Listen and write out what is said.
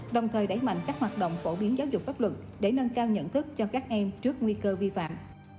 đồng thời đẩy mạnh các hoạt động phổ biến giáo dục pháp luật để nâng cao nhận thức cho các em trước nguy cơ vi phạm